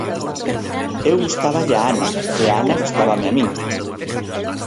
Eu gustáballe á Ana e a Ana gustábame a min.